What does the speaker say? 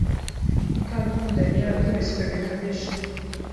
Mukarukundo yari yarakubiswe bikabije.